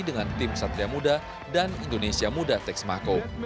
dengan tim satria muda dan indonesia muda teks mako